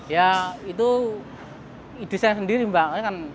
ya itu ide saya sendiri mbak